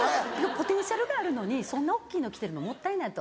ポテンシャルがあるのにそんな大っきいの着てるのもったいないと。